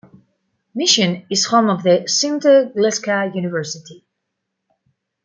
Mission is home of the Sinte Gleska University.